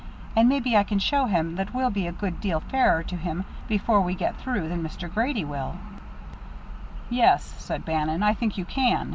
And maybe I can show him that we'll be a good deal fairer to him before we get through than Mr. Grady will." "Yes," said Bannon, "I think you can.